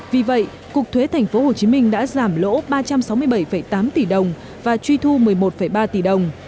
vì vậy cục thuế tp hcm đã giảm lỗ ba trăm sáu mươi bảy tám tỷ đồng và truy thu một mươi một ba tỷ đồng